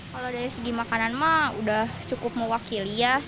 kalau dari segi makanan mah udah cukup mewakili ya